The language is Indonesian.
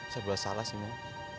saya bahas salah sih mau